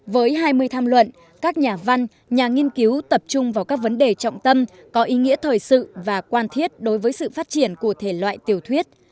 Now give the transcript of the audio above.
với hai mươi tham luận các nhà văn nhà nghiên cứu tập trung vào các vấn đề trọng tâm có ý nghĩa thời sự và quan thiết đối với sự phát triển của thể loại tiểu thuyết